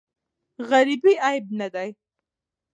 غریبې عیب نه دی.